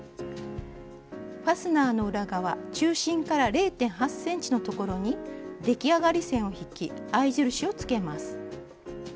ファスナーの裏側中心から０．８ｃｍのところに出来上がり線を引き合い印をつけます。